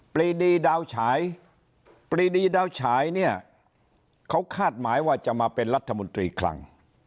รีดีดาวฉายปรีดีดาวฉายเนี่ยเขาคาดหมายว่าจะมาเป็นรัฐมนตรีคลัง